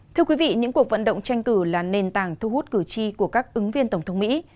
thưa quý vị những cuộc vận động tranh cử là nền tảng thu hút cử tri của các ứng viên tổng thống mỹ